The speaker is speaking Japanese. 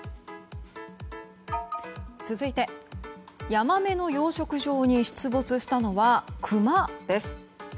続いて、ヤマメの養殖場に出没したのはクマです。